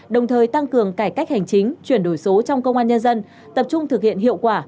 đồng thời tăng cường cải cách hành chính chuyển đổi số trong công an nhân dân tập trung thực hiện hiệu quả